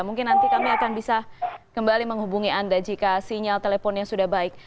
mungkin nanti kami akan bisa kembali menghubungi anda jika sinyal teleponnya sudah baik